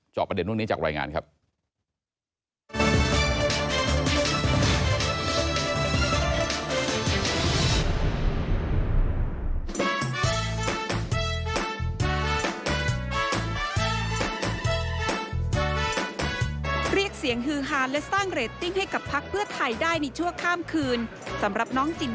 เจาะประเด็นวันนี้จากรายงานครับ